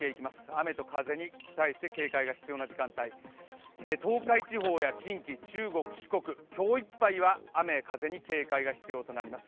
雨と風に対して警戒が必要な時間帯、東海地方や近畿、中国、四国、今日いっぱいは雨風に警戒が必要となります。